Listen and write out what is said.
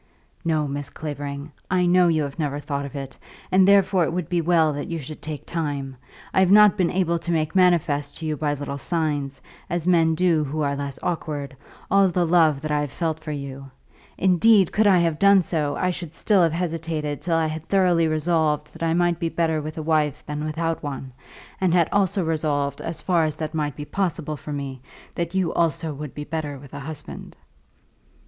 "No, Miss Clavering; I know you have never thought of it, and therefore it would be well that you should take time. I have not been able to make manifest to you by little signs, as men do who are less awkward, all the love that I have felt for you. Indeed, could I have done so, I should still have hesitated till I had thoroughly resolved that I might be better with a wife than without one; and had resolved also, as far as that might be possible for me, that you also would be better with a husband."